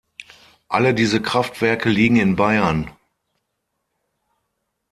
Alle diese Kraftwerke liegen in Bayern.